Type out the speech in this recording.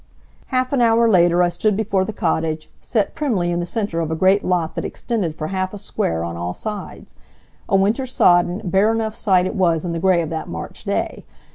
Half an hour later I stood before the cottage, set primly in the center of a great lot that extended for half a square on all sides. A winter sodden, bare enough sight it was in the gray of that March day.